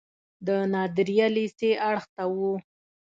د نادریه لیسې اړخ ته و.